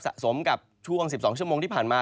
สมกับช่วง๑๒ชั่วโมงที่ผ่านมา